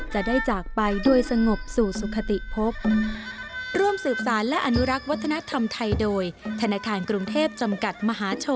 จะได้จากไปโดยสงบสู่สุขติพบ